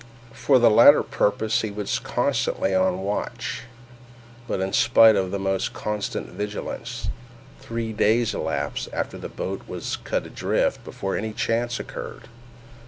For the latter purpose he was constantly on the watch; but, in spite of the most constant vigilance, three days elapsed after the boat was cut adrift before any chance occurred.